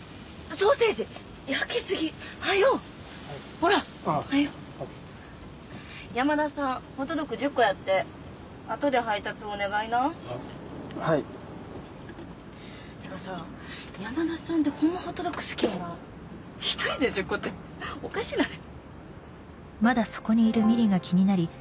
ソーセージ焼きすぎはよほらはよ山田さんホットドッグ１０個やってあとで配達お願いなはいってかさ山田さんってほんまホットドッグ好きよな１人で１０個っておかしない？